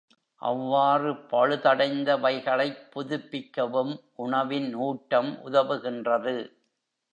அவ்வாறு பழுதடைந்தவைகளைப் புதுப்பிக்கவும், உணவின் ஊட்டம் உதவுகின்றது.